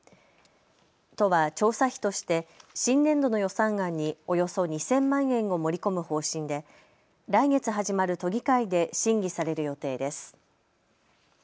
都は調査費として新年度の予算案におよそ２０００万円を盛り込む方針で来月始まる都議会で審議される予定です。